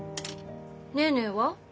ネーネーは？